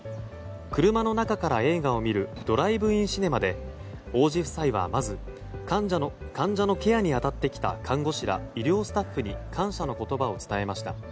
車の中から映画を見るドライブインシネマで王子夫妻は、まず患者のケアに当たってきた看護師ら、医療スタッフらに感謝の言葉を伝えました。